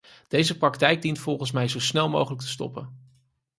Deze praktijk dient volgens mij zo snel mogelijk te stoppen.